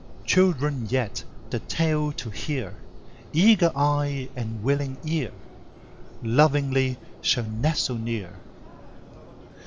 Children yet, the tale to hear, Eager eye and willing ear, Lovingly shall nestle near.